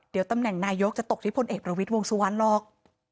เดี๋ยวตำแหน่งนายกจะตกที่พลเอกประวิทย์วงสุวรรณหรอก